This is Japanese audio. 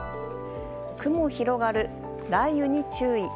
雲広がる、雷雨に注意。